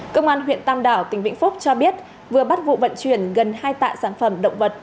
công an huyện tam đảo tỉnh vĩnh phúc cho biết vừa bắt vụ vận chuyển gần hai tạ sản phẩm động vật